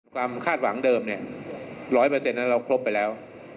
ความคาดหวังเดิมเนี่ยร้อยเปอร์เซ็นต์นั้นเราครบไปแล้ว